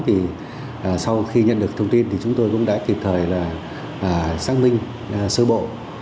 thì sau khi nhận được thông tin thì chúng tôi cũng đã kịp thời là xác minh sơ bộ